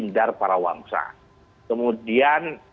jenderal para wangsa kemudian